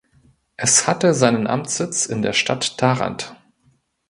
Es hatte seinen Amtssitz in der Stadt Tharandt.